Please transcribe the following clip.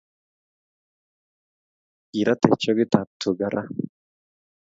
Kirate chrik ab tuka raa